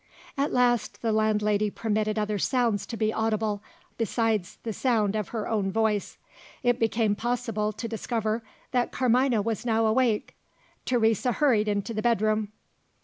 At last, the landlady permitted other sounds to be audible, besides the sound of her own voice. It became possible to discover that Carmina was now awake. Teresa hurried into the bedroom.